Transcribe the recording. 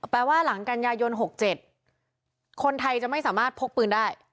ว่าหลังกันยายน๖๗คนไทยจะไม่สามารถพกปืนได้